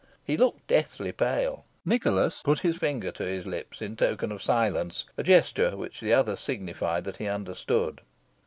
He looked deathly pale. Nicholas put his finger to his lips in token of silence a gesture which the other signified that he understood.